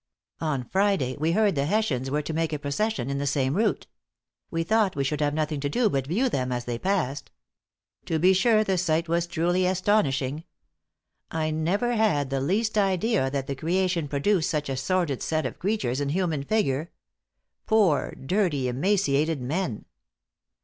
On Friday we heard the Hessians were to make a procession in the same route. We thought we should have nothing to do but view them as they passed. To be sure the sight was truly astonishing. I never had the least idea that the creation produced such a sordid set of creatures in human figure poor, dirty, emaciated men.